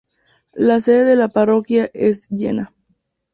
La sede de la parroquia es Jena.